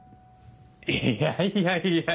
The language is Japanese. いやいやいや。